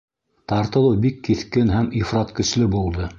Тартылыу бик киҫкен һәм ифрат көслө булды.